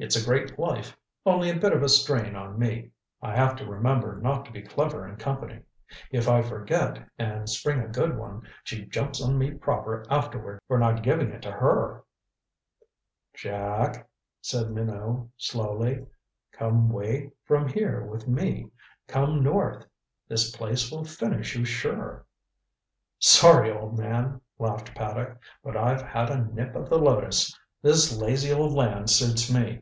It's a great life only a bit of a strain on me. I have to remember not to be clever in company. If I forget and spring a good one, she jumps on me proper afterward for not giving it to her." "Jack," said Minot slowly, "come way from here with me. Come north. This place will finish you sure." "Sorry, old man," laughed Paddock, "but I've had a nip of the lotus. This lazy old land suits me.